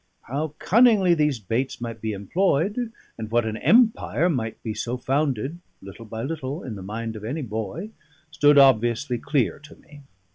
How cunningly these baits might be employed, and what an empire might be so founded, little by little, in the mind of any boy, stood obviously clear to me.